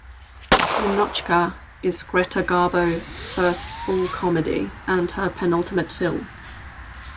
"Ninotchka" is Greta Garbo's first full comedy, and her penultimate film.